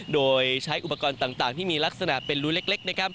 โดยใช้อุปกรณ์ต่างที่มีลักษณะเป็นรูเล็กนะครับ